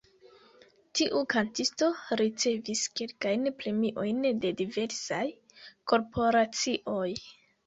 Tiu kantisto ricevis kelkajn premiojn de diversaj korporacioj.